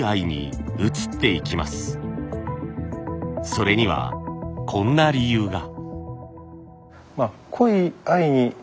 それにはこんな理由が。